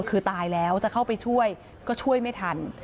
คือตายแล้วจะเข้าไปช่วยก็ช่วยไม่ทัน